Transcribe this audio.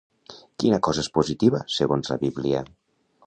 Quina cosa és positiva segons la Bíblia?